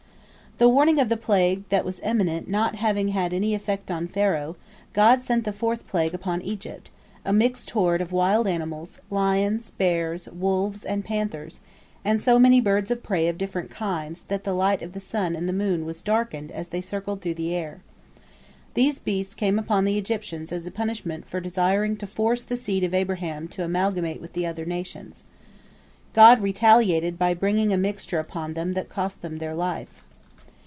The warning of the plague that was imminent not having had any effect upon Pharaoh, God sent the fourth plague upon Egypt, a mixed horde of wild animals, lions, bears, wolves, and panthers, and so many birds of prey of different kinds that the light of the sun and the moon was darkened as they circled through the air. These beasts came upon the Egyptians as a punishment for desiring to force the seed of Abraham to amalgamate with the other nations. God retaliated by bringing a mixture upon them that cost them their life.